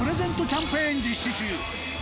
キャンペーン実施中。